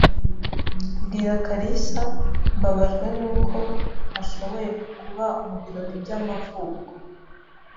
Bwira kalisa Mbabajwe nuko ntashoboye kuba mubirori by'amavuko.